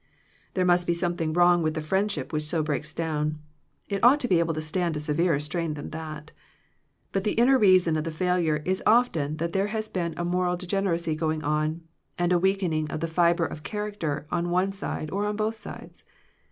There must be something wrong with the friendship which so breaks down. It ought to be able to stand a severer strain than that. But the inner reason of the failure is often that there has been a moral degeneracy going on, and a weak ening of the fibre of character on one side, or on both sides.